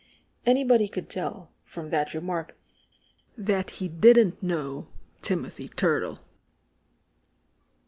Anybody could tell, from that remark, that he didn't know Timothy Turtle.